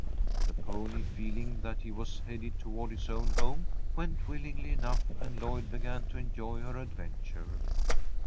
The pony, feeling that he was headed toward his own home, went willingly enough, and Lloyd began to enjoy her adventure.